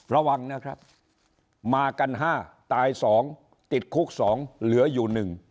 ระวังนะครับมากัน๕ตาย๒ติดคุก๒เหลืออยู่๑